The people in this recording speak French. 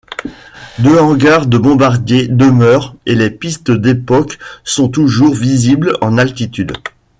Deux hangars de bombardiers demeurent et les pistes d’époque sont toujours visibles en altitude.